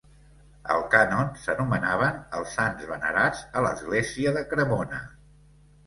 Al cànon s'anomenaven els sants venerats a l'església de Cremona.